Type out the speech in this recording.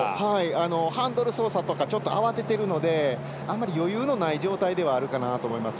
ハンドル操作とかちょっと慌ててるのであんまり余裕のない状態かなと思います。